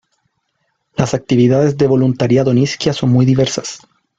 Las actividades de voluntariado en Isquia son muy diversas.